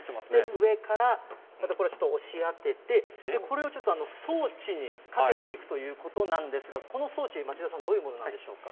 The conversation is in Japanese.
上からちょっと押し当てて、これをちょっと装置にかけていくということなんですが、この装置、町田さん、どういうものなんでしょうか。